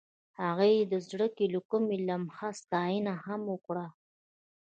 هغې د زړه له کومې د لمحه ستاینه هم وکړه.